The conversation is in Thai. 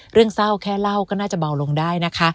เรื่องเศร้าแค่เล่าก็น่าจะเบาลงได้นะคะ